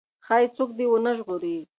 ښايي څوک دې ونه ژغوري.